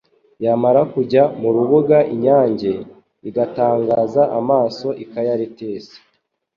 Yamara kujya mu rubuga Inyange igatangaza Amaso ukayatereza